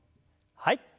はい。